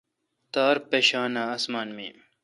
تار مشان اَاسمان می۔